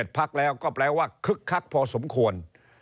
พักแล้วก็แปลว่าคึกคักพอสมควร